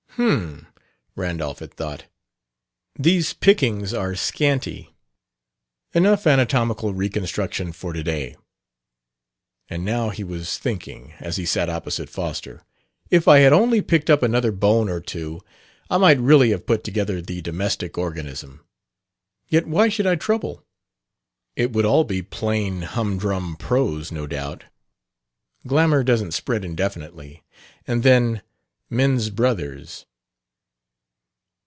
"H'm!" Randolph had thought, "these pickings are scanty, enough anatomical reconstruction for to day...." And now he was thinking, as he sat opposite Foster, "If I had only picked up another bone or two, I might really have put together the domestic organism. Yet why should I trouble? It would all be plain, humdrum prose, no doubt. Glamour doesn't spread indefinitely. And then men's brothers...."